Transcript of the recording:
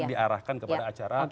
diarahkan kepada acara